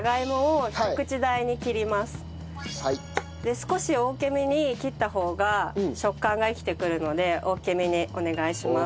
少し大きめに切った方が食感が生きてくるので大きめにお願いします。